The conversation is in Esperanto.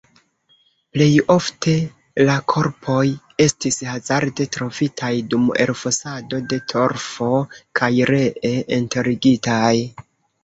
Plej ofte la korpoj estis hazarde trovitaj dum elfosado de torfo kaj ree enterigitaj.